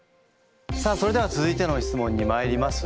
さあそれでは続いての質問にまいります。